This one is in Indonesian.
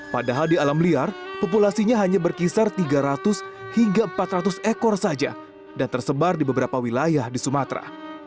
padahal di alam liar populasinya hanya berkisar tiga ratus hingga empat ratus ekor saja dan tersebar di beberapa wilayah di sumatera